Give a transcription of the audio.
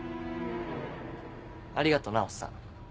ありがとなおっさん